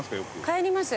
帰ります。